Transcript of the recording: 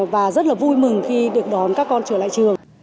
và rất là vui mừng khi được đón các con trở lại trường